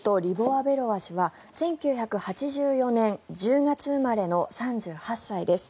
ベロワ氏は１９８４年１０月生まれの３８歳です。